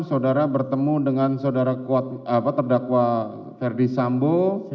saudara bertemu dengan saudara terdakwa ferdi sambo